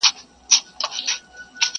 سپی یوازي تر ماښام پوري غپا کړي٫